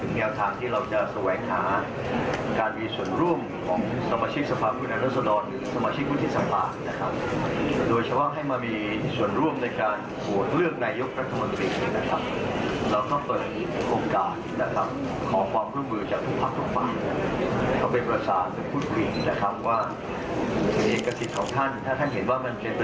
เป็นแนวทางที่เราจะแสวงหาการมีส่วนร่วมของสมาชิกสภาพคุณอนุสดรหรือสมาชิกวุฒิสภาโดยเฉพาะให้มามีส่วนร่วมในการหัวเลือกในยกรัฐมนตรีเราก็เปิดมีโอกาสของความร่วมมือจากทุกภักดิ์ทุกภาคเขาไปปราศาสตร์และพูดคุยและทำว่าเวตกฤทธิ์ของท่านถ้าท่านเห็นว่ามันเป็นประ